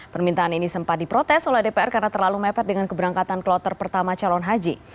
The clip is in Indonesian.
permintaan ini sempat diprotes oleh dpr karena terlalu mepet dengan keberangkatan kloter pertama calon haji